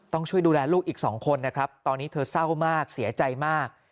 ต้องช่วยดูแลลูกอีก๒คนนะครับตอนนี้เธอเศร้ามากเสียใจมาก